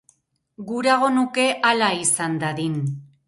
Gurago nuke hala izan dadin.